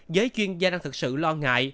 giới chuyên gia đang thật sự lo ngại